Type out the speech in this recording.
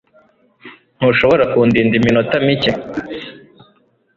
Ntushobora kundinda iminota mike